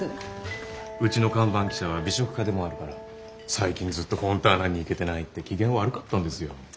うちの看板記者は美食家でもあるから最近ずっとフォンターナに行けてないって機嫌悪かったんですよ。